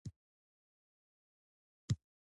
د عوامو اوازو به دوی مستبد انځورول.